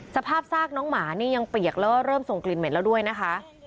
สภาพซากน้องหมานี่ยังเปียกแล้วก็เริ่มส่งกลิ่นเหม็นแล้วด้วยนะคะ